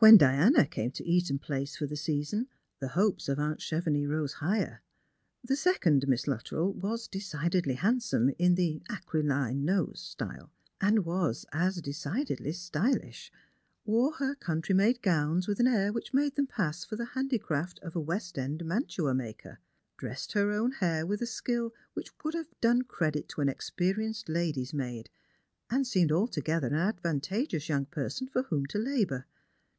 When Diana came to Eaton place for the season, the hopes of aunt Chevenix rose higher. The second Miss Luttrell was decidedly handsome, in the aquiline nosed style, and was a? decidedly stylish ; wore her countiy made gowns with an air ■ which made them pass for the handicraft of a West end mantua maker; dressed her own hair with a skill which would have done credit to an experienced lady's maid ; and seemed alto gether an advantageous young person for whom to labour.